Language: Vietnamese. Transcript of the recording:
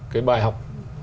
cái bài học